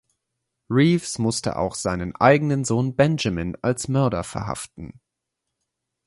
Reeves musste auch seinen eigenen Sohn Benjamin als Mörder verhaften.